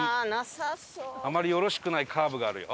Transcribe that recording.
あまりよろしくないカーブがあるよ。